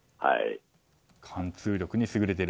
貫通力に優れている。